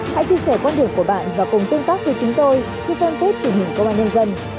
hãy chia sẻ quan điểm của bạn và cùng tương tác với chúng tôi trên fanpage truyền hình công an nhân dân